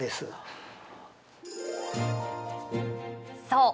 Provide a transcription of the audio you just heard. そう！